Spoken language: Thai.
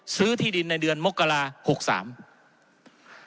ซื้อที่ดินในเดือนมกราศาสตร์๖๓